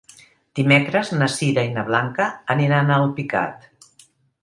Dimecres na Sira i na Blanca aniran a Alpicat.